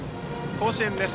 甲子園です。